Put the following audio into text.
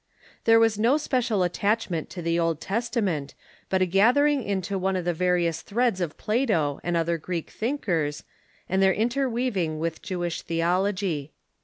There was no special attachment to the Old Testa ment, but a gathering into one of the various threads of Plato and other Greek thinkers, and their interweaving with Jewish theology.